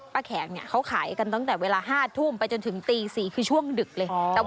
แขกเนี่ยเขาขายกันตั้งแต่เวลา๕ทุ่มไปจนถึงตี๔คือช่วงดึกเลย